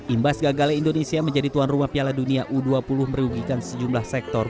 imbas gagalnya indonesia menjadi tuan rumah piala dunia u dua puluh merugikan sejumlah sektor